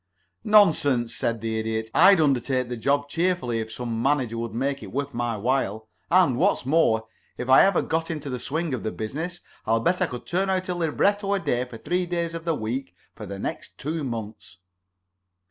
"Nonsense," said the Idiot. "I'd undertake the job cheerfully if some manager would make it worth my while, and, what's more, if I ever got into the swing of the business I'll bet I could turn out a libretto a day for three days of the week for the next two months."